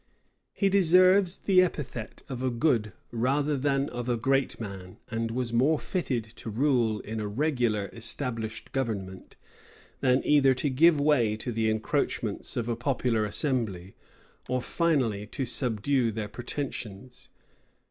He deserves the epithet of a good, rather than of a great man: and was more fitted to rule in a regular established government, than either to give way to the encroachments of a popular assembly, or finally to subdue their pretensions.